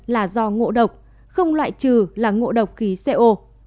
là do ngộ độc không loại trừ là ngộ độc khí co